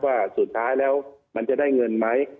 ว่าสุดท้ายแล้วมันจะได้เงินไหม